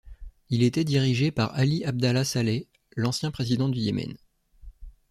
Il était dirigé par Ali Abdallah Saleh, l'ancien président du Yémen.